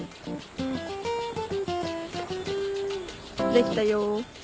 できたよ。